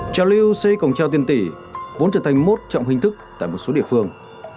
treo lưu xây cổng treo tiền tỷ vốn trở thành mốt trọng hình thức tại một số địa phương